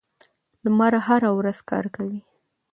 لمر هره ورځ کار کوي.